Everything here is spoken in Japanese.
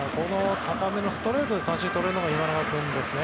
高めのストレートで三振をとれるのが今永君ですね。